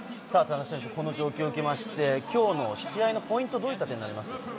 この状況を受けまして、きょうの試合のポイントはどういった点になりますか？